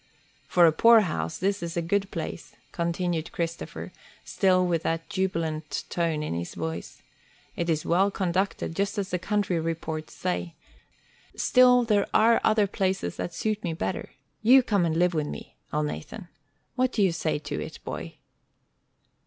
"For a poorhouse this is a good place," continued Christopher, still with that jubilant tone in his voice. "It is well conducted, just as the county reports say. Still there are other places that suit me better. You come and live with me, Elnathan. What do you say to it, boy?"